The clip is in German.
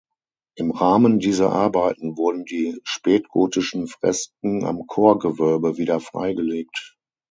Im Rahmen dieser Arbeiten wurden die spätgotischen Fresken am Chorgewölbe wieder freigelegt.